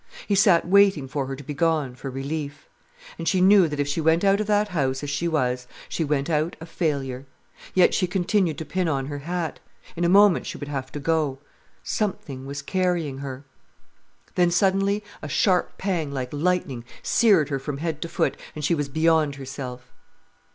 He sat waiting for her to be gone, for relief. And she knew that if she went out of that house as she was, she went out a failure. Yet she continued to pin on her hat; in a moment she would have to go. Something was carrying her. Then suddenly a sharp pang, like lightning, seared her from head to foot, and she was beyond herself.